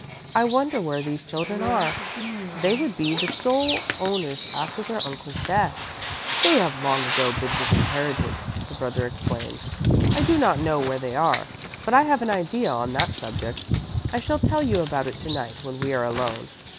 I wonder where these children are. They would be the sole owners after their uncle's death." "They have long ago been disinherited," the brother exclaimed. "I do not know where they are, but I have an idea on that subject. I shall tell you about it to night when we are alone.